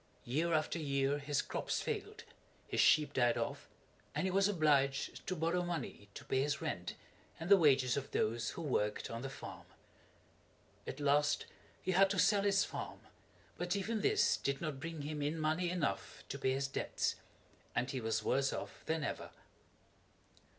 Year after year his crops failed, his sheep died off, and he was obliged to borrow money to pay his rent and the wages of those who worked on the farm. At last he had to sell his farm, but even this did not bring him in money enough to pay his debts, and he was worse off than ever.